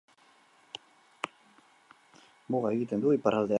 Muga egiten du iparraldean Errusiarekin.